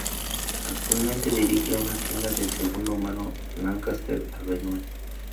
Actualmente dirige una tienda de segunda mano en Lancaster Avenue.